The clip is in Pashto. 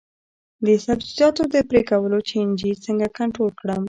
د سبزیجاتو د پرې کولو چینجي څنګه کنټرول کړم؟